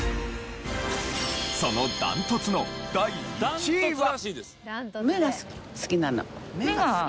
その断トツの第１位は。